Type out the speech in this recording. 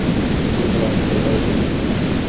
Grupul a comis o eroare tehnică.